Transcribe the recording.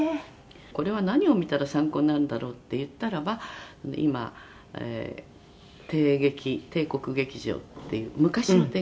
「これは何を見たら参考になるんだろうって言ったらば今帝劇帝国劇場っていう昔の帝劇」